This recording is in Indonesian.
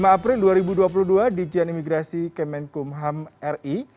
lima april dua ribu dua puluh dua dijen imigrasi kemenkumham ri